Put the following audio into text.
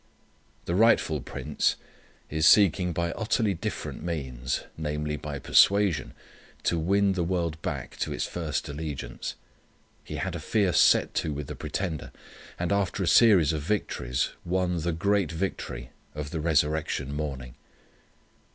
The rightful Prince is seeking by utterly different means, namely by persuasion, to win the world back to its first allegiance. He had a fierce set to with the pretender, and after a series of victories won the great victory of the resurrection morning.